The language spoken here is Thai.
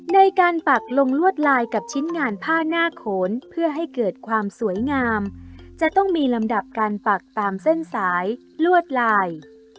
ในการปักลงลวดลายกับชิ้นงานผ้าหน้าโขนเพื่อให้เกิดความสวยงามจะต้องมีลำดับการปักตามเส้นสายลวดลาย